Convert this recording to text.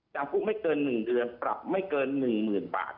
จากผู้ไม่เกิน๑เดือนปรับไม่เกิน๑หมื่นบาท